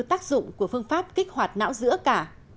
tác dụng của phương pháp kích hoạt não giữa cả